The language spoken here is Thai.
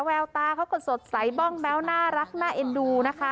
แววตาเขาก็สดใสบ้องแม้วน่ารักน่าเอ็นดูนะคะ